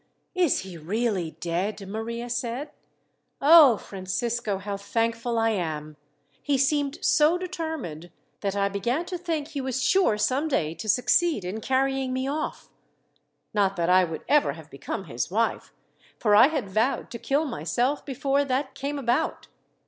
"Is he really dead?" Maria said. "Oh, Francisco, how thankful I am! He seemed so determined, that I began to think he was sure some day to succeed in carrying me off. Not that I would ever have become his wife, for I had vowed to kill myself before that came about.